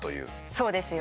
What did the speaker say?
そうですよね。